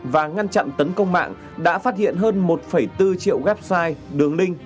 và ngăn chặn tấn công mạng đã phát hiện hơn một bốn triệu website đường link